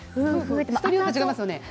人によって違いますよね。